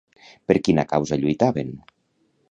Per quina causa lluitaven?